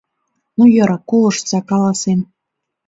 — Ну йӧра, колыштса, каласем.